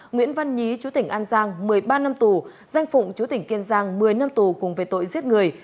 nguyễn văn nhí chú tỉnh an giang một mươi ba năm tù danh phụng chú tỉnh kiên giang một mươi năm tù cùng về tội giết người